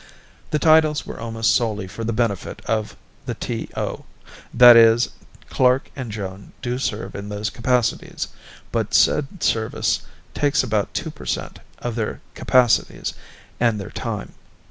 The titles were almost solely for the benefit of the T/O that is, Clark and Joan do serve in those capacities, but said service takes about two per cent of their capacities and their time.